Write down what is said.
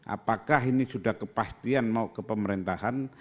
apakah ini sudah kepastian mau ke pemerintahan